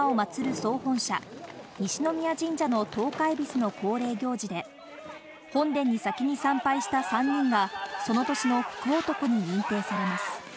総本社・西宮神社の十日えびすの恒例行事で、本殿に先に参拝した３人がその年の福男に認定されます。